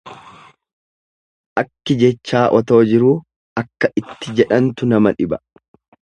Akki jechaa osoo jiruu akka itti jedhantu nama dhiba.